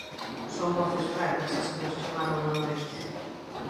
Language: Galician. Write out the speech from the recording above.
Son voces brancas as que nos chamaron na noite.